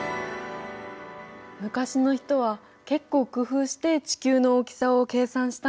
昔の人は結構工夫して地球の大きさを計算したんだね。